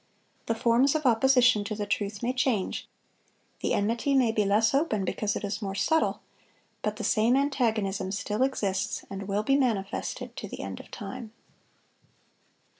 The forms of opposition to the truth may change, the enmity may be less open because it is more subtle; but the same antagonism still exists, and will be manifested to the end of time.